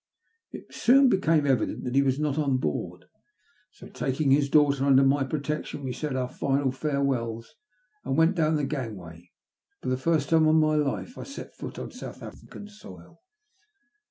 It soon became evident that he was not on board, so, taking his daughter under my protection, we said our final farewells and went down the gang way. For the first time in my life I set foot on Soutii African soil.